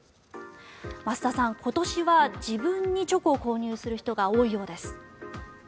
増田さん、今年は自分にチョコを購入する人が多いようです。